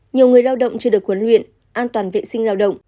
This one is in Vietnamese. nhiều người lao động chưa được huấn luyện an toàn vệ sinh lao động